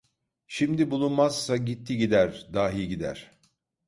Şimdi bulunmazsa gitti gider, dahi gider…